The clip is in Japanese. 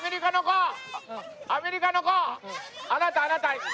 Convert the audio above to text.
あなたあなた！